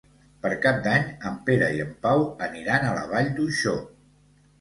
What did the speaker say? Per Cap d'Any en Pere i en Pau aniran a la Vall d'Uixó.